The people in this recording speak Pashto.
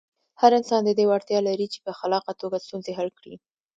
هر انسان د دې وړتیا لري چې په خلاقه توګه ستونزې حل کړي.